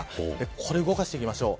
これ動かしていきましょう。